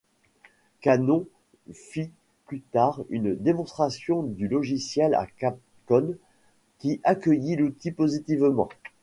Cannon fit plus tard une démonstration du logiciel à Capcom qui accueillit l'outil positivement.